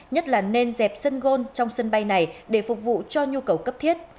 nhất là nên dẹp sân gôn trong sân bay này để phục vụ cho nhu cầu cấp thiết